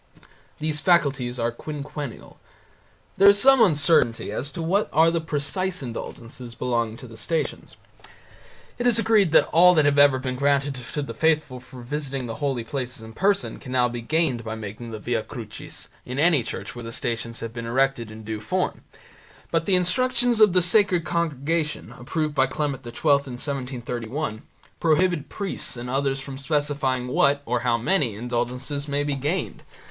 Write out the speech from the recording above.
These faculties are quinquennial. There is some uncertainty as to what are the precise indulgences belonging to the stations. It is agreed that all that have ever been granted to the faithful for visiting the holy places in person can now be gained by making the Via Crucis in any church where the Stations have been erected in due form, but the Instructions of the Sacred Congregation, approved by Clement XII in 1731, prohibit priests and others from specifying what or how many indulgences may be gained.